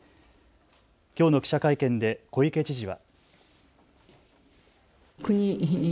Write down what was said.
きょうの記者会見で小池知事は。